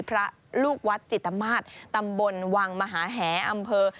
พระลูกวัดจิตมาศตำบลวังมหาแหอำเภอ